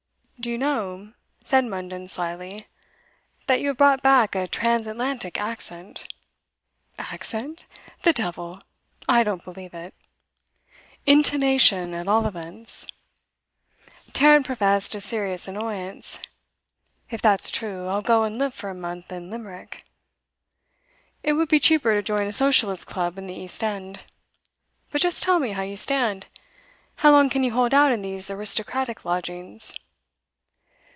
'Do you know,' said Munden slyly, 'that you have brought back a trans Atlantic accent?' 'Accent? The devil! I don't believe it.' 'Intonation, at all events.' Tarrant professed a serious annoyance. 'If that's true, I'll go and live for a month in Limerick.' 'It would be cheaper to join a Socialist club in the East End. But just tell me how you stand. How long can you hold out in these aristocratic lodgings?